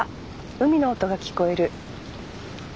海の音が聞こえる。